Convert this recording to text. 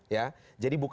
ya jadi bukan